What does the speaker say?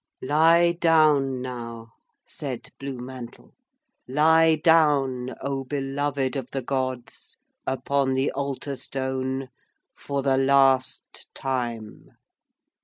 'Lie down now,' said Blue Mantle, 'lie down, O Beloved of the Gods, upon the altar stone, for the last time.'